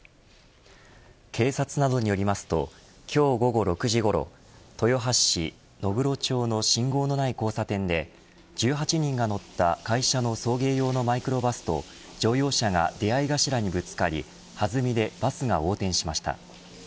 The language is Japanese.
警察などによりますと今日午後６時ごろ豊橋市野黒町の信号のない交差点で１８人が乗った会社の送迎用のマイクロバスと乗用車が出合い頭にぶつかりはずみで、バスが横転しました。